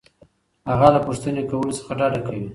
هغه له پوښتنې کولو څخه ډډه کوي.